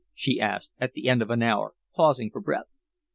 she asked, at the end of an hour, pausing for breath.